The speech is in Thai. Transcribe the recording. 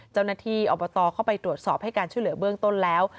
เจ้าหน้าที่อบตเข้าไปตรวจสอบให้การช่วยเหลือเบื้องต้นแล้ว